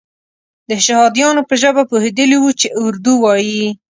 د شهادیانو په ژبه پوهېدلی وو چې اردو وایي.